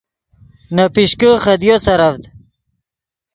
نے پیشکے خدیو سرڤد